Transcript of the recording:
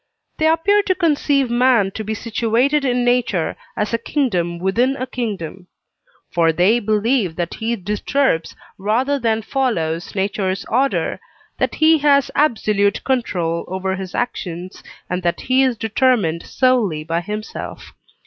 They appear to conceive man to be situated in nature as a kingdom within a kingdom: for they believe that he disturbs rather than follows nature's order, that he has absolute control over his actions, and that he is determined solely by himself.